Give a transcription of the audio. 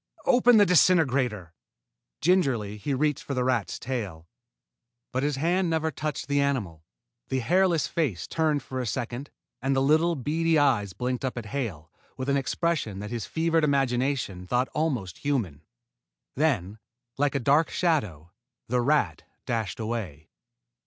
"Open the disintegrator." Gingerly he reached for the rat's tail. But his hand never touched the animal. The hairless face turned for a second, and the little, beady eyes blinked up at Hale with an expression that his fevered imagination thought almost human. Then, like a dark shadow, the rat dashed away.